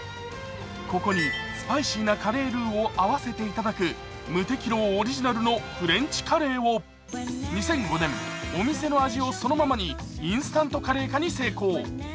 ここにスパイシーなカレールウを合わせていただく霧笛楼オリジナルのフレンチカレーを２００５年、お店の味をそのままにインスタントカレー化に成功。